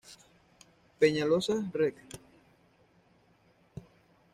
Peñaloza; Reg.